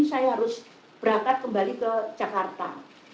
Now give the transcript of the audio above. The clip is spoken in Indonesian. saya harus berangkat kembali ke jakarta